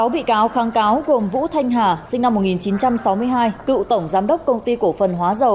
sáu bị cáo kháng cáo gồm vũ thanh hà sinh năm một nghìn chín trăm sáu mươi hai cựu tổng giám đốc công ty cổ phần hóa dầu